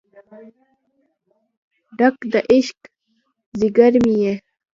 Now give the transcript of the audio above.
ډک د عشق ځیګر مې یې